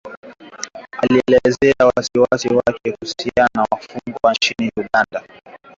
alielezea wasiwasi wake kuhusu kuteswa kwa wafungwa nchini Uganda